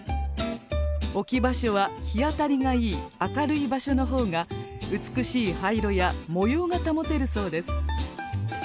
置き場所は日当たりがいい明るい場所の方が美しい葉色や模様が保てるそうです。